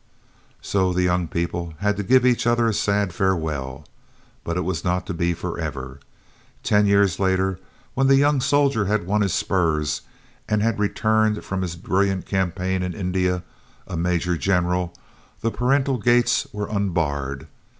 So the young people had to give each other a sad farewell. But it was not to be forever. Ten years later when the young soldier had won his spurs, and had returned from his brilliant campaign in India, a Major General, the parental gates were unbarred.